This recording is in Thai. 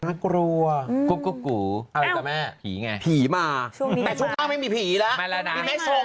น่ากลัวคุกคุกกูผีไงผีมาแต่ช่วงนี้ไม่มีผีแล้วมีแม่ชงไง